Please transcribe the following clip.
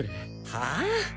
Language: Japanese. はあ？